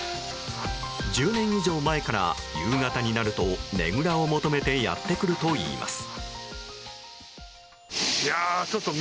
１０年以上前から夕方になるとねぐらを求めてやってくるといいます。